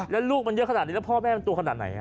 แล้วลูกมันเยอะขนาดนี้แล้วพ่อแม่มันตัวขนาดไหน